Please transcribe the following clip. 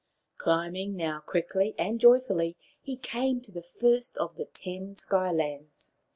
Climbing now quickly and joyfully, he came to the first of the ten Sky lands.